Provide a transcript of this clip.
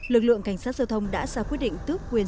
lực lượng cảnh sát giao thông đã ra quyết định tước quyền